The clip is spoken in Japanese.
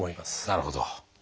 なるほど。